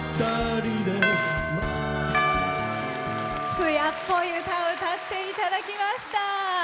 つやっぽい歌を歌っていただきました。